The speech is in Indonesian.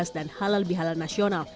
dan halal bihalan nasional